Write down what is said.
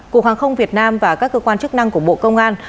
cục hàng không việt nam và các cơ quan chức năng của bộ công an